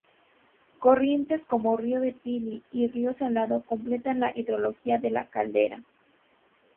Corrientes como Río de Pili y Río Salado completan la hidrología de la caldera.